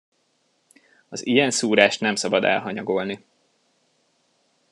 Az ilyen szúrást nem szabad elhanyagolni.